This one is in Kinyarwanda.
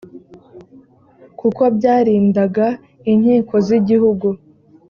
kuko byarindaga inkiko z igihugu